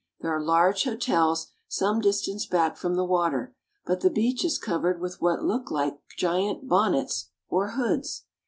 There are large hotels some distance back from the water, but the beach is covered with what look like giant bonnets or hoods.